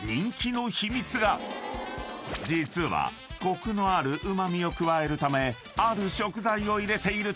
［実はコクのあるうま味を加えるためある食材を入れているというのだが］